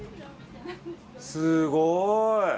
すごい！